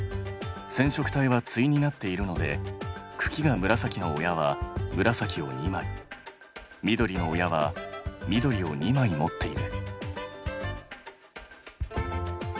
染色体は対になっているので茎が紫の親は紫を２枚緑の親は緑を２枚持っている。